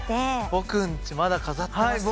僕ん家まだ飾ってますよ。